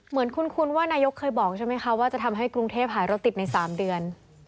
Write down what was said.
คุ้นว่านายกเคยบอกใช่ไหมคะว่าจะทำให้กรุงเทพหายรถติดใน๓เดือน